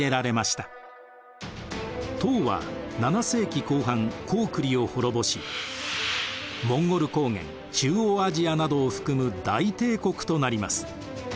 唐は７世紀後半高句麗を滅ぼしモンゴル高原中央アジアなどを含む大帝国となります。